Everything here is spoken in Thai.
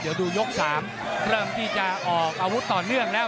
เดี๋ยวดูยก๓เริ่มที่จะออกอาวุธต่อเนื่องแล้ว